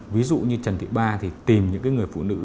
ví dụ như trần thị ba thì tìm những người phụ nữ